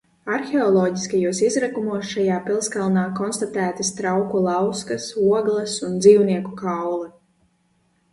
Arheoloģiskajos izrakumos šajā pilskalnā konstatētas trauku lauskas, ogles un dzīvnieku kauli.